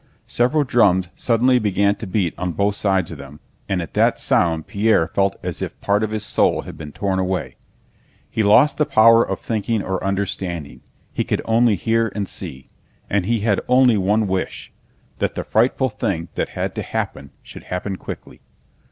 Several drums suddenly began to beat on both sides of them, and at that sound Pierre felt as if part of his soul had been torn away. He lost the power of thinking or understanding. He could only hear and see. And he had only one wish—that the frightful thing that had to happen should happen quickly.